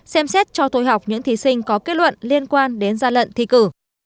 xem xét cho tôi học những thí sinh có kết luận liên quan đến gian lận thi cử